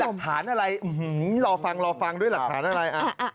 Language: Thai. ด้วยหลักฐานอะไรรอฟังด้วยหลักฐานอะไร